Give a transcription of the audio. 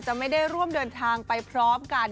ไม่ได้ร่วมเดินทางไปพร้อมกัน